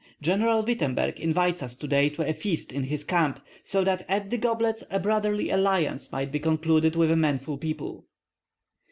General Wittemberg invites us today to a feast in his camp, so that at the goblets a brotherly alliance may be concluded with a manful people."